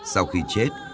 sau khi chết